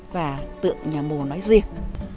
và tượng nhà mồ nói riêng